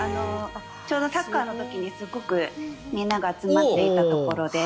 ちょうどサッカーの時にすごくみんなが集まっていたところで。